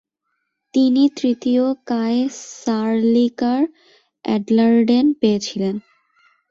তিনি তৃতীয় কায়সার্লিকার অ্যাডলারডেন পেয়েছিলেন।